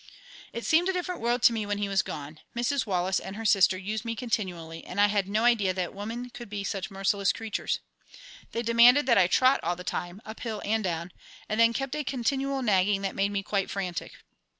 It seemed a different world to me when he was gone. Mrs. Wallace and her sister used me continually, and I had no idea that women could be such merciless creatures. They demanded that I trot all the time, up hill and down, and then kept up a continual nagging that made me quite frantic.